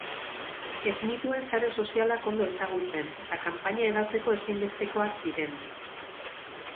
Ez nituen sare sozialak ondo ezagutzen eta kanpaina hedatzeko ezinbestekoak ziren.